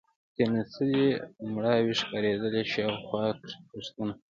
کېناستلې او مړاوې ښکارېدلې، شاوخوا کښتونه.